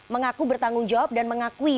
mengaku bertanggung jawab dan mengakui